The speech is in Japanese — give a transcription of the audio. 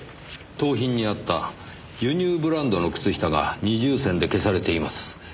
盗品にあった輸入ブランドの靴下が二重線で消されています。